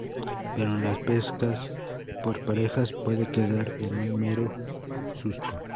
Pero en la pesca por parejas puede quedar en un mero susto.